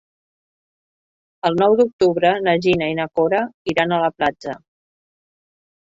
El nou d'octubre na Gina i na Cora iran a la platja.